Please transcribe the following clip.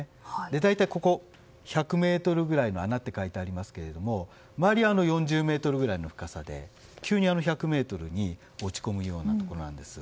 大体、ここ１００ｍぐらいの穴と書いてありますが周りは４０ｍぐらいの深さで急に１００ｍに落ち込むようなところなんです。